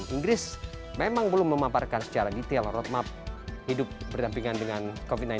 inggris memang belum memaparkan secara detail roadmap hidup berdampingan dengan covid sembilan belas